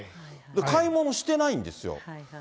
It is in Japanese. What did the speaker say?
買い物してないんですよ。